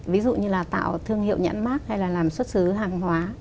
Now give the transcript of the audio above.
ví dụ như là tạo thương hiệu nhãn mát hay là làm xuất xứ hàng hóa